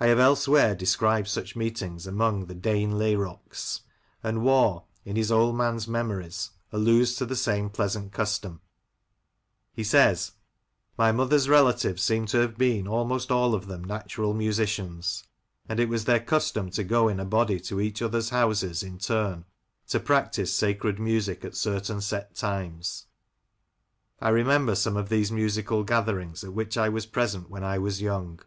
I have elsewhere described such meetings among the "Deyghn Layrocks,'' and Waugh, in his " Old Man's Memories," alludes to the same pleasant custom. He says :— 6o Lancashire Characters and Places, ''My mother's relatives seem to have been, almost all of them, natural musicians; and it was their custom to go in a body to each other's houses in turn to practise sacred music at certain set times. I remember some of these musical gatherings at which I was present when I was young."